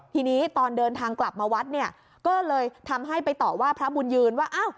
ทีนี้ตอนเดินทางกลับมาวัดเนี่ยก็เลยทำให้ไปต่อว่าพระบุญยืนว่าอ้าว